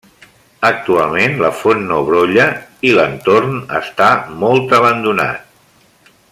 Actualment la font no brolla i l'entorn està molt abandonat.